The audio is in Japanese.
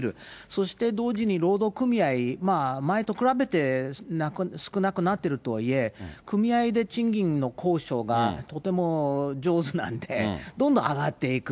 そして、同時に労働組合、前と比べて少なくなっているとはいえ、組合で賃金の交渉がとても上手なんで、どんどん上がっていく。